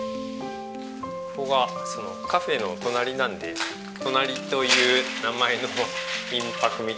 ここがカフェの隣なんでトナリという名前の民泊みたいにしました。